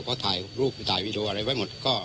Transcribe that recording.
เพราะถ่ายรูปถ่ายวีดีโออะไรไว้หมด